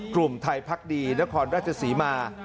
กลุ่มไทยพักดีนครราชศรีมา